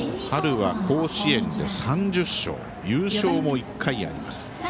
春は甲子園で３０勝優勝も１回あります。